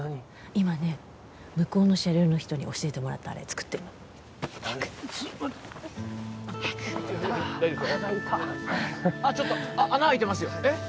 今ね向こうの車両の人に教えてもらったあれ作ってるの早く早くあっちょっと穴あいてますよえっ？